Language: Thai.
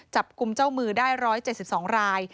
จับกลุ่มเจ้ามือได้๑๗๒ราย